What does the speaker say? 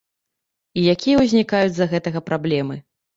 І якія ўзнікаюць з-за гэтага праблемы.